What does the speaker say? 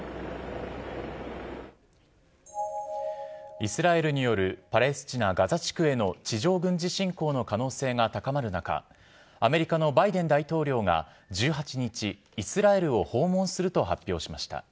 イスラエルによるパレスチナ・ガザ地区への地上軍事侵攻の可能性が高まる中、アメリカのバイデン大統領が１８日、イスラエルを訪問すると発表しました。